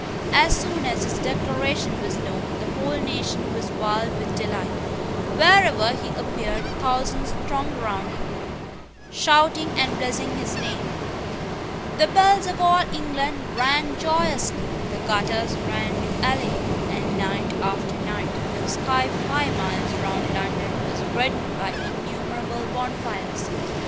As soon as his declaration was known, the whole nation was wild with delight. Wherever he appeared thousands thronged round him, shouting and blessing his name. The bells of all England rang joyously: the gutters ran with ale; and, night after night, the sky five miles round London was reddened by innumerable bonfires.